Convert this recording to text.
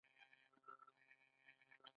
نور ملتونه له دغه شان حساسو مقطعو سره مخ شوي.